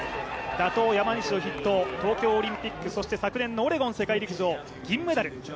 打倒・山西を筆頭東京オリンピックそして昨年のオレゴン世界陸上銀メダル。